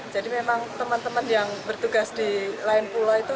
jadi memang teman teman yang bertugas di lain pulau itu